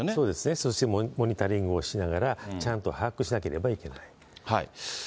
そしてモニタリングをしながら、ちゃんと把握しなければいけない。